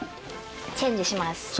チェンジします。